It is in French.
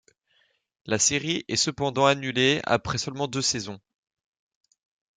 La série est cependant annulée après seulement deux saisons.